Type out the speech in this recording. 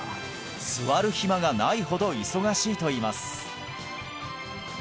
座る暇がないほど忙しいといいます